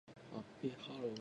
ハッピーハロウィン